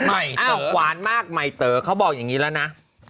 อ้าวหวานมากมายเตอร์เขาบอกอย่างนี้แหละนะ